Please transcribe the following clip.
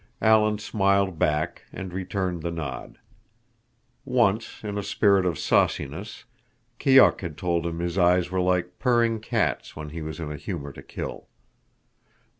Alan smiled back and returned the nod. Once, in a spirit of sauciness, Keok had told him his eyes were like purring cats when he was in a humor to kill.